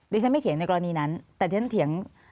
ดิฉันไม่เถียงในกรณีนั้นแต่ที่ฉันเถียง